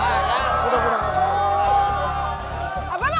buah buah buah